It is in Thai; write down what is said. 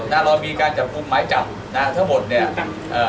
นะฮะเรามีการจำคุมไม้จับนะฮะทั้งหมดเนี้ยเอ่อ